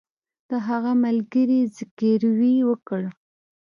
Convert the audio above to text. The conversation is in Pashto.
د هغه ملګري زګیروی وکړ